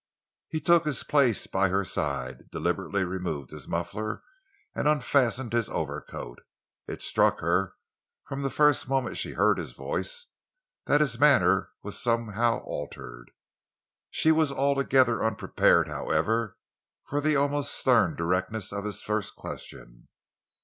He took his place by her side, deliberately removed his muffler and unfastened his overcoat. It struck her, from the first moment she heard his voice, that his manner was somehow altered. She was altogether unprepared, however, for the almost stern directness of his first question.